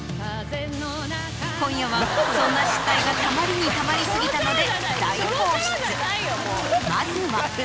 今夜はそんな失態がたまりにたまり過ぎたので。